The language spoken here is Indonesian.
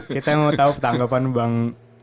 kita mau tahu tanggapan bang